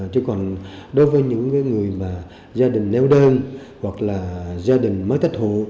chứ còn đối với những cái người mà gia đình nghèo đơn hoặc là gia đình mới tách hộ